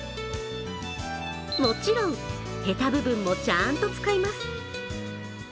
もちろん、へた部分もちゃんと使います。